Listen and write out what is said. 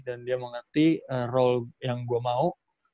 dan dia mengerti role yang gue mau